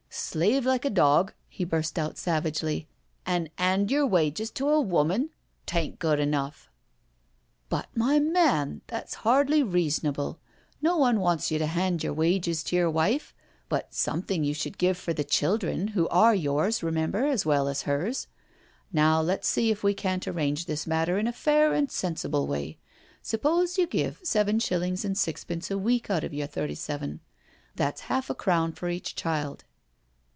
Slave like a dog," he burst out savagely, " an' 'and yer wages to a woman I — 'tain't good enough I" " But, my man, that's hardly reasonable. No one wants you to hand your wages to your wife — ^but some thing you should give for the children, who are yours, remember, as well as hers. Now let's see if we can't arrange this matter in a fair and sensible way. ' Suppose you give seven shillings and sixpence a week out of your thirty seven? That's half a crown for each child."